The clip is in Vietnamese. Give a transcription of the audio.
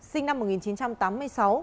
sinh năm một nghìn chín trăm tám mươi sáu